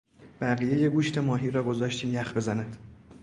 بقیهی گوشت ماهی را گذاشتیم یخ بزند.